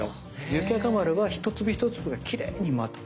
雪若丸は一粒一粒がきれいにまとう。